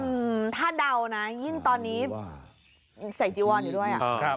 เวลาเดานะยิ่งตอนนี้ใส่จีวอนอยู่ด้วย